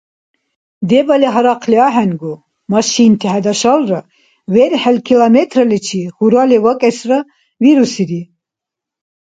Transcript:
Дебали гьарахъли ахӀенгу, машинти хӀедашалра, верхӀел километрличи хьурали вакӀесра вирусири.